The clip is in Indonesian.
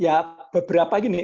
ya beberapa gini